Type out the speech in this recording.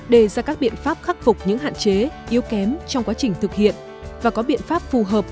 đề ra các biện pháp khắc phục những hạn chế yếu kém trong quá trình thực hiện và có biện pháp phù hợp